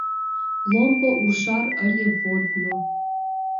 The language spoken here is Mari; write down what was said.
Ломбо ужар ыле водно